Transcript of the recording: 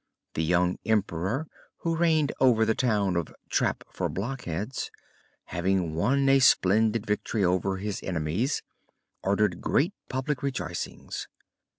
The young Emperor who reigned over the town of "Trap for Blockheads," having won a splendid victory over his enemies, ordered great public rejoicings.